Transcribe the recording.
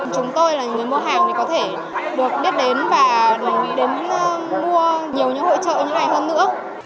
chúng tôi là người mua hàng có thể được biết đến và đến mua nhiều những hội trợ như này hơn nữa